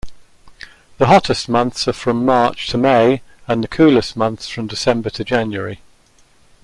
The hottest months are from March-May and the coolest months from December-January.